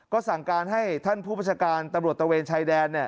ก็สั่งการให้ท่านผู้ประชาการตำรวจตะเวนชายแดน